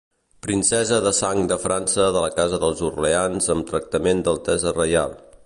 Princesa de sang de França de la casa dels Orleans amb tractament d'altesa reial.